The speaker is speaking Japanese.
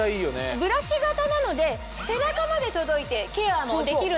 ブラシ型なので背中まで届いてケアもできるんです。